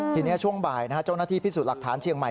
ทีนี้ช่วงบ่ายเจ้าหน้าที่พิสูจน์หลักฐานเชียงใหม่